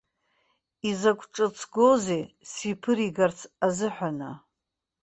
Изакә ҽыҵгоузеи сиԥыригарц азыҳәан!